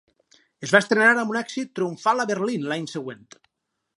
Es va estrenar amb un èxit triomfal a Berlín l'any següent.